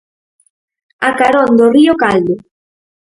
A carón do río Caldo.